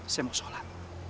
saya mau sholat